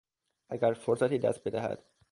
اگر فرصتی دست بدهد